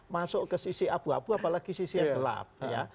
masuk ke sisi abu abu apalagi sisi yang gelap